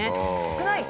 少ない！